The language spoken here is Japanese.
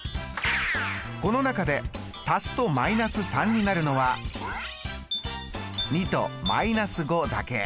この中で足すと−３になるのは２と−５だけ。